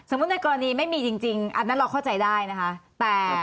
ในกรณีไม่มีจริงอันนั้นเราเข้าใจได้นะคะ